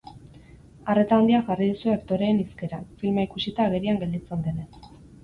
Arreta handia jarri duzue aktoreen hizkeran, filma ikusita agerian gelditzen denez.